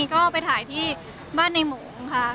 ก็ไปถ่ายที่บ้านในหมูค่ะ